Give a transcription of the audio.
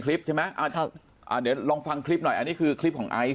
ครับใช่ภาษาแล้วก็ถ้าเกิดใน